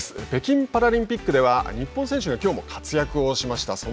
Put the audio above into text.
北京パラリンピックでは日本選手がきょうも活躍をしました。